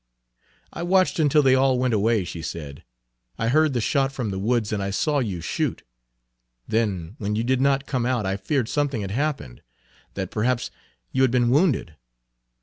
Page 89 "I watched until they all went away," she said. "I heard the shot from the woods and I saw you shoot. Then when you did not come out I feared something had happened, that perhaps you had been wounded.